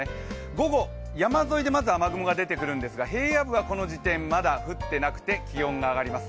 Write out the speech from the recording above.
午後、山沿いでまず雨雲が出てくるんですが平野部はこの時点でまだ降ってなくて気温が上がります。